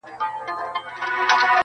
نیمه تنه یې سوځېدلې ده لا شنه پاته ده.!